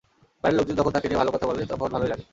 বাইরের লোকজন যখন তাকে নিয়ে ভালো কথা বলে, তখন ভালোই লাগে।